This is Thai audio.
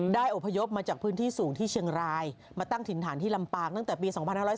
อบพยพมาจากพื้นที่สูงที่เชียงรายมาตั้งถิ่นฐานที่ลำปางตั้งแต่ปี๒๕๔